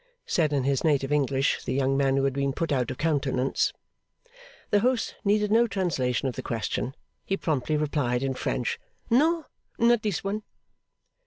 said, in his native English, the young man who had been put out of countenance. The host needed no translation of the question. He promptly replied in French, 'No. Not this one.